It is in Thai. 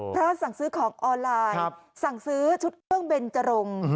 เพราะสั่งซื้อของออนไลน์สั่งซื้อชุดเครื่องเบนจรง